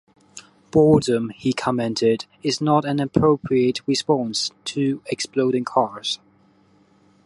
"Boredom," he commented, "is not an appropriate response to exploding cars.